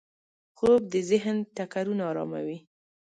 خوب د ذهن ټکرونه اراموي